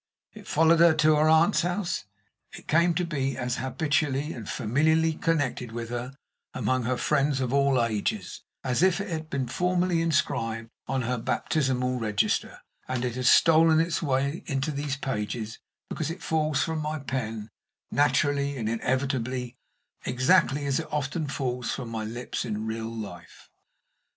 It followed her to her aunt's house it came to be as habitually and familiarly connected with her, among her friends of all ages, as if it had been formally inscribed on her baptismal register; and it has stolen its way into these pages because it falls from my pen naturally and inevitably, exactly as it often falls from my lips in real life.